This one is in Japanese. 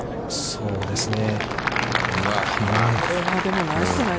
そうですね。